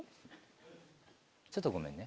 ちょっとごめんね。